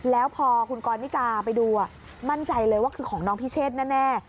แล้วพอคุณกรนิกาไปดูมั่นใจเลยว่าคือของน้องพิเชษแน่